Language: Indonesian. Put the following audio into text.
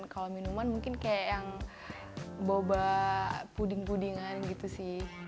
kalau minuman mungkin kayak yang boba puding pudingan gitu sih